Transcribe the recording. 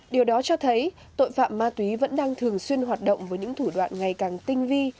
điều đó cho thấy tội phạm ma túy vẫn đang thường xuyên hoạt động với những thủ đoạn ngày càng tinh vi